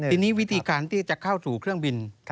ทีนี้วิธีการที่จะเข้าสู่เครื่องบิน